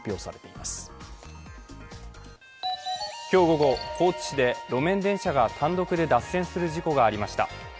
今日午後、高知市で路面電車が単独で脱線する事故がありました。